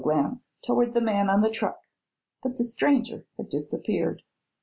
glance toward the man on the truck. But the stranger had disappeared.